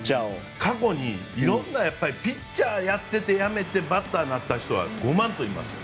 過去に色んなピッチャーをやっててやめてバッターになった人は五万といますよ。